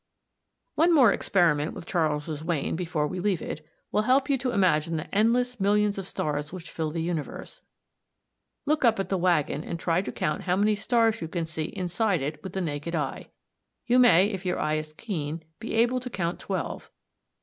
One more experiment with Charles's Wain, before we leave it, will help you to imagine the endless millions of stars which fill the universe. Look up at the waggon and try to count how many stars you can see inside it with the naked eye. You may, if your eye is keen, be able to count twelve.